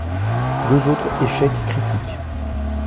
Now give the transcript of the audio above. Deux autres échecs critiques.